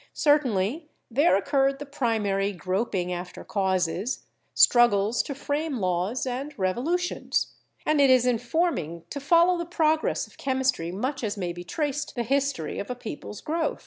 Certainly there occurred the primary groping after causes, struggles to frame laws, and revolutions ; and it is informing to follow the progress of Chemistry much as may be traced the history of a people's growth.